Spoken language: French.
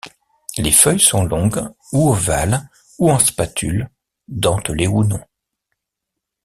Les feuilles sont longues ou ovales ou en spatule, dentelées ou non.